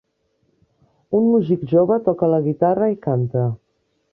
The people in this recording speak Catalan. Un músic jove toca la guitarra i canta.